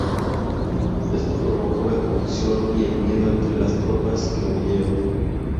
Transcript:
Esto provocó la confusión y el miedo entre las tropas, que huyeron.